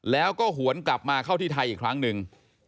แล้วก็หวนกลับมาเข้าที่ไทยอีกครั้งหนึ่ง